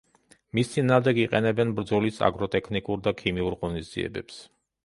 მის წინააღმდეგ იყენებენ ბრძოლის აგროტექნიკურ და ქიმიურ ღონისძიებებს.